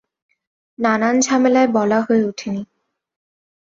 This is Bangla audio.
নানান ঝামেলায় বলা হয়ে ওঠে নি।